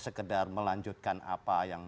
sekedar melanjutkan apa yang